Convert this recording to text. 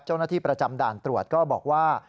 เจ้าหน้าที่ประจำด่านตรวจก็บอกว่า